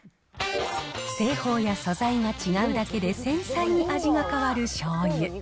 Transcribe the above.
製法や素材が違うだけで繊細に味が変わる醤油。